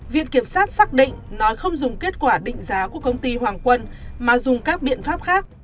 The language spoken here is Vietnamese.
viện kiểm sát xác định nói không dùng kết quả định giá của công ty hoàng quân mà dùng các biện pháp khác